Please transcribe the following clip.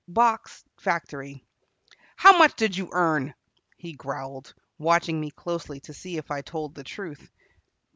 "Box factory." "How much did you earn?" he growled, watching me closely to see if I told the truth.